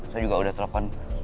saya juga udah telepon